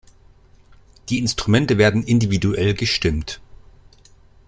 Die Instrumente werden individuell gestimmt.